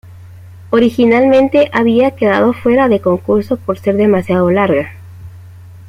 Originalmente había quedado fuera de concurso por ser demasiado larga.